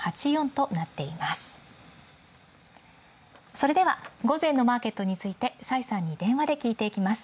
それでは午前のマーケットについて崔さんに電話で聞いていきます。